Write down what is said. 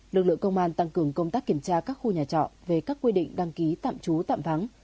lực lượng công an tăng cường công tác kiểm tra các khu nhà trọ về các quy định đăng ký tạm trú tạm vắng